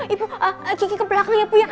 ibu kikis ke belakang ya